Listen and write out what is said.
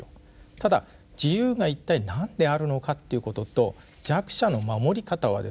ただ自由が一体何であるのかということと弱者の守り方はですね